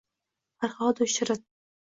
Farhodu Shirin